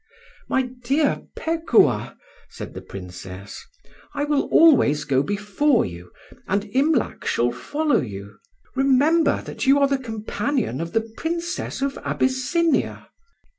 "My dear Pekuah," said the Princess, "I will always go before you, and Imlac shall follow you. Remember that you are the companion of the Princess of Abyssinia."